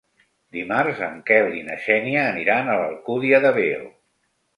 Dimarts en Quel i na Xènia aniran a l'Alcúdia de Veo.